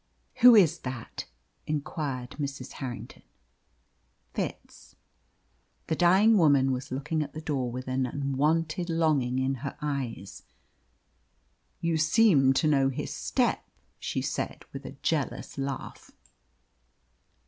"Who is that?" inquired Mrs. Harrington. "Fitz." The dying woman was looking at the door with an unwonted longing in her eyes. "You seem to know his step," she said, with a jealous laugh.